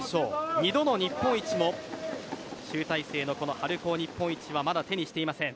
２度の日本一も、集大成の春高日本一はまだ手にしていません。